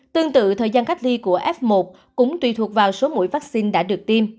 tương tự thời gian cách ly của f một cũng tùy thuộc vào số mũi vaccine đã được tiêm